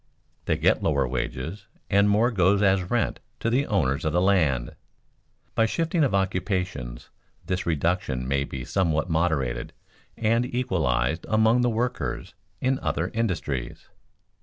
They get lower wages and more goes as rent to the owners of the land. By shifting of occupations this reduction may be somewhat moderated and equalized among the workers in other industries.